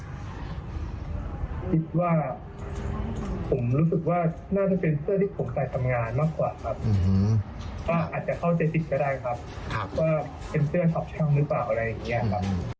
ว่าเป็นเสื้อขับช่องหรือเปล่าอะไรอย่างนี้ครับ